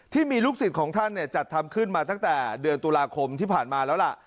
ที่มีลูกศิษย์ของท่านจัดทำขึ้นมาตั้งแต่เดือนตุลาคมที่ผ่านมาแล้วล่ะ